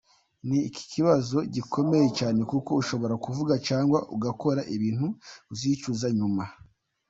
Ni ikibazo gikomeye cyane kuko ushobora kuvuga cyangwa ugakora ibintu uzicuza nyuma.